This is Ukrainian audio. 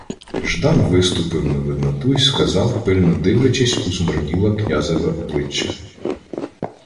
Ждан виступив на видноту й сказав, пильно дивлячись у змарніле князеве обличчя: